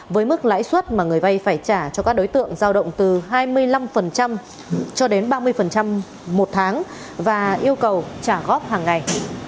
với mức lãi suất mà người vay phải trả cho các đối tượng giao động từ hai mươi năm cho đến ba mươi một tháng và yêu cầu trả góp hàng ngày